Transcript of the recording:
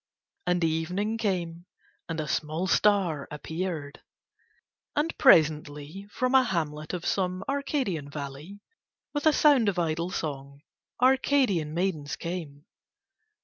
And evening came and a small star appeared. And presently from a hamlet of some Arcadian valley, with a sound of idle song, Arcadian maidens came.